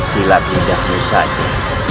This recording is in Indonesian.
silat lidahmu saja